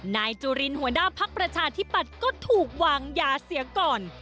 นายจุรินหัวหน้าพักประชาธิปัตย์ก็ถูกวางยาเสียก่อน